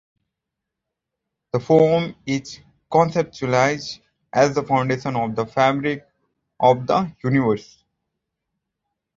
The foam is conceptualized as the foundation of the fabric of the Universe.